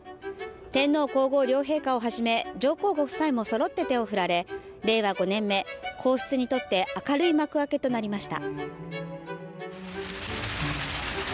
天皇皇后両陛下をはじめ上皇ご夫妻もそろって手を振られ、令和５年目、皇室にとって明るい幕開けとなりました。